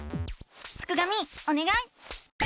すくがミおねがい！